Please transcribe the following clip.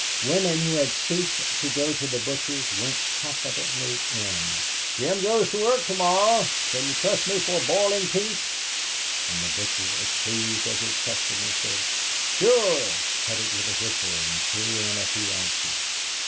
Women who had ceased to go to the butcher's went confidently in. "Jim goes to work to morrow, can you trust me for a boiling piece?" and the butcher, as pleased as his customer, said, "Sure," cut it with a whistle and threw in a few ounces.